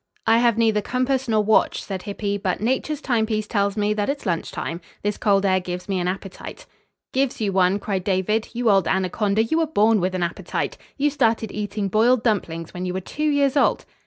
"I have neither compass nor watch," said Hippy, "but nature's timepiece tells me that it's lunch time. This cold air gives me an appetite." "Gives you one?" cried David. "You old anaconda, you were born with an appetite. You started eating boiled dumplings when you were two years old."